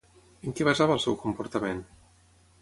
En què basava el seu comportament?